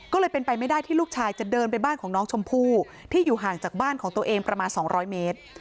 ก็เลยเป็นไปไม่ได้ที่ลูกชายจะเดินไปบ้านของน้องชมพู่ที่อยู่ห่างจากบ้านของตัวเองประมาณ๒๐๐เมตร